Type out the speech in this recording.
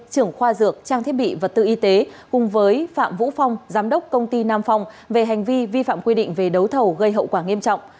trưởng khoa dược trang thiết bị vật tư y tế cùng với phạm vũ phong giám đốc công ty nam phong về hành vi vi phạm quy định về đấu thầu gây hậu quả nghiêm trọng